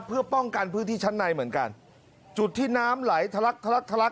เพื่อป้องกันพื้นที่ชั้นในเหมือนกันจุดที่น้ำไหลทะลักทะลักทะลัก